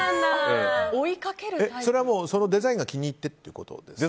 それはもうそのデザインが気に入ってということですか？